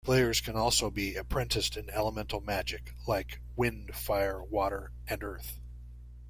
Players can also be apprenticed in elemental magic like wind, fire, water, and earth.